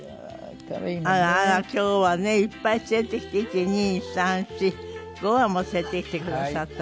あらあら今日はねいっぱい連れてきて１２３４５羽も連れてきてくださったんですね。